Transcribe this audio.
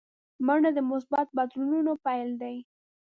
منډه د مثبتو بدلونونو پیل دی